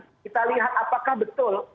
kita lihat apakah betul